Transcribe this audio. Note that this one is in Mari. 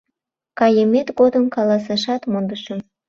Кайымет годым каласашат мондышым.